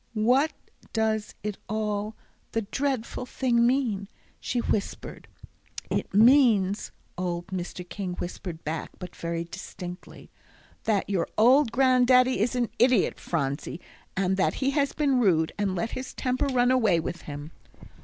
"What does it all the dreadful thing mean?" she whispered. "It means," old Mr. King whispered back, but very distinctly, "that your old Granddaddy is an idiot, Phronsie, and that he has been rude, and let his temper run away with him."